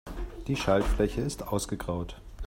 Die Schaltfläche ist ausgegraut.